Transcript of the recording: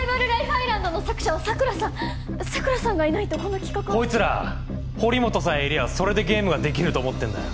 アイランドの作者は桜さん桜さんがいないとこの企画はこいつら堀本さえいりゃそれでゲームができると思ってんだよ